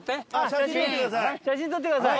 写真撮ってください。